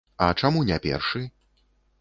А чаму не першы?